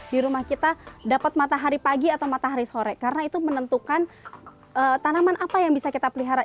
di rumah kita dapat matahari pagi atau matahari sore karena itu menentukan tanaman apa yang bisa kita pelihara